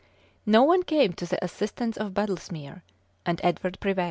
No one came to the assistance of Badlesmere; and Edward prevailed.